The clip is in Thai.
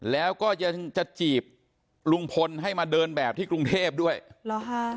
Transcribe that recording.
แล้วก็จะจะจีบลุงพลให้มาเดินแบบที่กรุงเทพด้วยเหรอฮะ